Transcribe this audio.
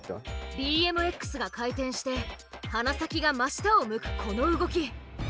ＢＭＸが回転して鼻先が真下を向くこの動き。